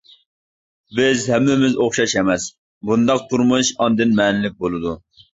بىز ھەممىمىز ئوخشاش ئەمەس، بۇنداق تۇرمۇش ئاندىن مەنىلىك بولىدۇ!